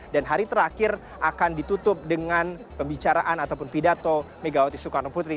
dan hari terakhir akan ditutup dengan pembicaraan ataupun pidato megawati soekarno putri